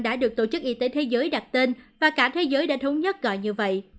đã được tổ chức y tế thế giới đặt tên và cả thế giới đã thống nhất gọi như vậy